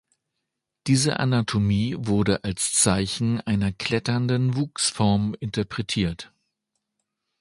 Diese Anatomie wurde als Zeichen einer kletternden Wuchsform interpretiert.